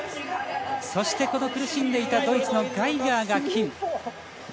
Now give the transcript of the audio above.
この苦しんでいたドイツのガイガーが銅。